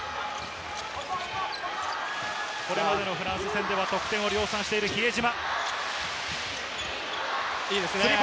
これまでのフランス戦では得点を量産している比江島。